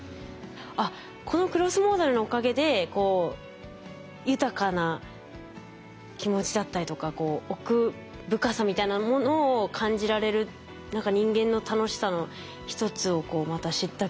あっこのクロスモーダルのおかげでこう豊かな気持ちだったりとか奥深さみたいなものを感じられる何か人間の楽しさの一つをまた知った気がします。